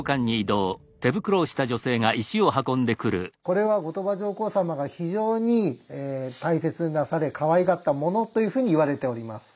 これは後鳥羽上皇様が非常に大切になされかわいがったものというふうに言われております。